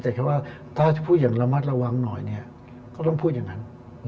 แต่แค่ว่าถ้าพูดอย่างระมัดระวังหน่อยเนี่ยก็ต้องพูดอย่างนั้น